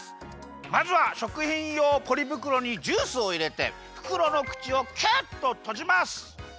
まずはしょくひんようポリぶくろにジュースをいれてふくろのくちをキュッととじます。